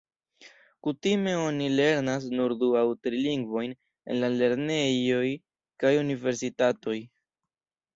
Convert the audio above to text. Kutime oni lernas nur du aŭ tri lingvojn en la lernejoj kaj universitatoj.